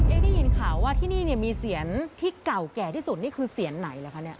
ได้ยินข่าวว่าที่นี่เนี่ยมีเสียงที่เก่าแก่ที่สุดนี่คือเสียนไหนล่ะคะเนี่ย